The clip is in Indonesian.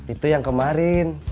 itu yang kemarin